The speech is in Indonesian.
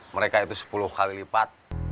mereka itu sepuluh kali lipat